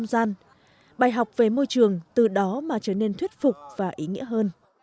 và làm mô hình đồ chơi từ bìa và giấy màu